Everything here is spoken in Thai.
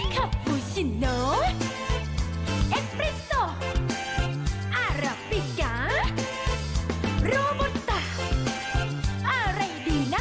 คาพูชิโนเอ็กซ์ปริสโตอาราฟิการูบุตตาอะไรดีนะ